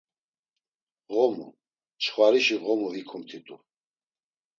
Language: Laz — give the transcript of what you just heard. Ğomu, çxvarişi ğomu vikumt̆itu.